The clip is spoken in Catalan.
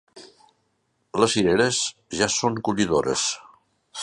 Les cireres ja són collidores.